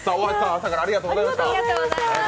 朝からありがとうございました。